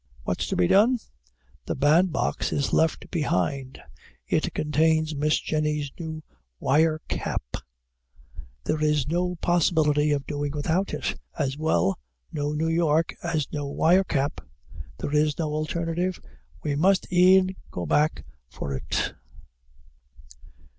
What's to be done? The bandbox is left behind it contains Miss Jenny's new wire cap there is no possibility of doing without it as well no New York as no wire cap there is no alternative, we must e'en go back for it.